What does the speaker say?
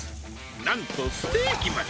なんとステーキまで。